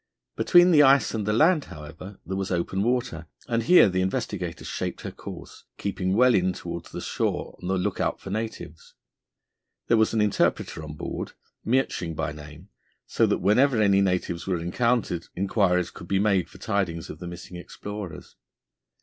Between the ice and the land, however, there was open water, and here the Investigator shaped her course, keeping well in towards the shore on the look out for natives. There was an interpreter on board, Miertsching by name, so that whenever any natives were encountered inquiries could be made for tidings of the missing explorers.